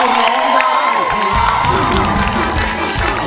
ร้อง